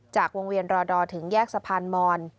จากวงเวียนรอดอถึงแยกสะพานมอน